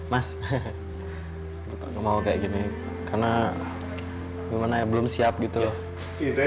mas kita nggak mau kayak gini karena gimana ya belum siap gitu loh